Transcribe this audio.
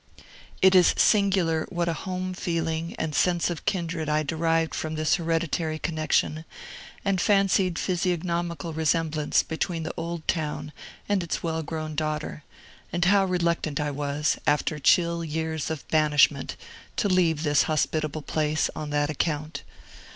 It is singular what a home feeling and sense of kindred I derived from this hereditary connection and fancied physiognomical resemblance between the old town and its well grown daughter, and how reluctant I was, after chill years of banishment, to leave this hospitable place, on that account.